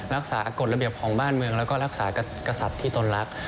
กฎระเบียบของบ้านเมืองแล้วก็รักษากษัตริย์ที่ตนรัก